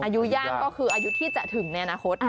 อายุย่างก็คืออายุที่จะถึงในอนาคต